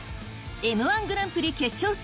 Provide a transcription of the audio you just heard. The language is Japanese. Ｍ−１グランプリ決勝戦